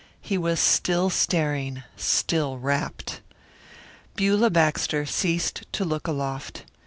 He was still staring, still rapt. Beulah Baxter ceased to look aloft.